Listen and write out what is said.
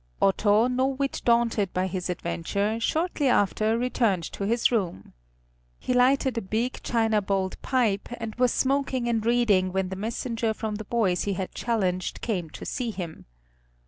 Otto, no whit daunted by his adventure, shortly after returned to his room. He lighted a big china bowled pipe, and was smoking and reading when the messenger from the boys he had challenged came to see him.